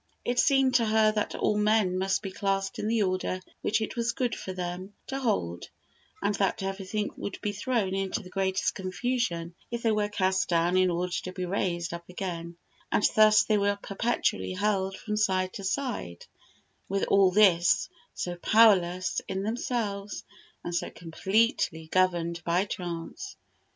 It seemed to her that all men must be classed in the order which it was good for them to hold; and that everything would be thrown into the greatest confusion if they were cast down in order to be raised up again, and thus they were perpetually hurled from side to side; with all this, so powerless in themselves, and so completely governed by chance!